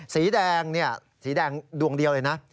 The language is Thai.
สีแดงสีแดงดวงเดียวเลยนะ